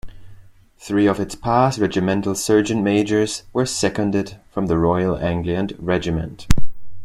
Three of its past regimental sergeant majors were seconded from the Royal Anglian Regiment.